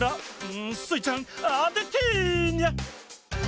スイちゃんあててニャ！